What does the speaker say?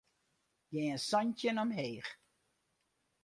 Gean santjin omheech.